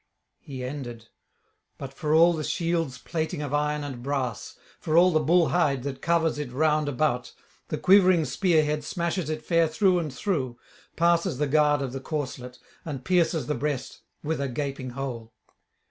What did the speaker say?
_ He ended; but for all the shield's plating of iron and brass, for all the bull hide that covers it round about, the quivering spear head smashes it fair through and through, passes the guard of the corslet, and pierces the breast with a gaping hole.